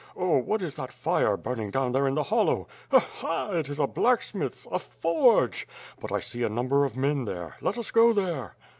Oh, what is that fire burning down there in the hollow? Ila! Ila! it is a blacksmith's — ^a forge! But I see a number of men there. Let us go there."